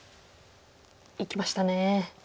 いきましたね。